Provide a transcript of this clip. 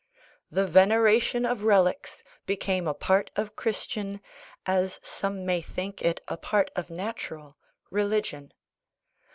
The veneration of relics became a part of Christian (as some may think it a part of natural) religion.